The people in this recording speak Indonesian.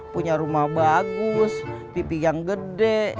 punya rumah bagus pipi yang gede